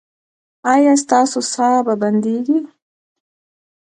ایا ستاسو ساه به بندیږي؟